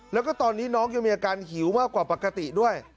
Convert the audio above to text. แล้วก็ตอนนี้น้องยังมีอาการหิวมากกว่าปกติด้วย